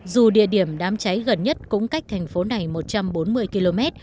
dù địa điểm đám cháy gần nhất cũng cách thành phố này một trăm bốn mươi km